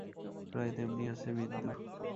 প্রায় তেমনি আছে বিন্দু।